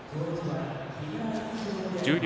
十両